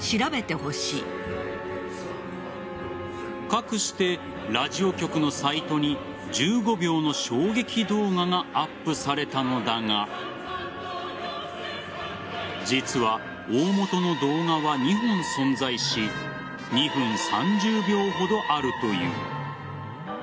かくして、ラジオ局のサイトに１５秒の衝撃動画がアップされたのだが実は大本の動画は２本存在し２分３０秒ほどあるという。